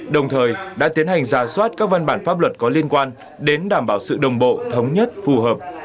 đồng thời đã tiến hành giả soát các văn bản pháp luật có liên quan đến đảm bảo sự đồng bộ thống nhất phù hợp